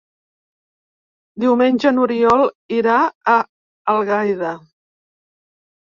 Diumenge n'Oriol irà a Algaida.